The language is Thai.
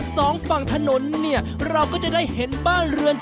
สองฝั่งถนนเนี่ยเราก็จะได้เห็นบ้านเรือน